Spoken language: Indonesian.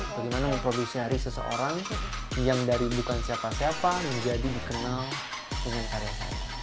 bagaimana memproduksi hari seseorang yang dari bukan siapa siapa menjadi dikenal dengan karya saya